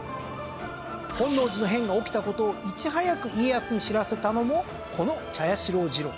本能寺の変が起きた事をいち早く家康に知らせたのもこの茶屋四郎次郎。